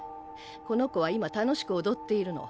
この子は今楽しく踊っているの。